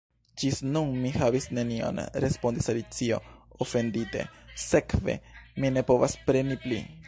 "Ĝis nun mi havis neniom," respondis Alicio, ofendite, "sekve mi ne povas preni pli."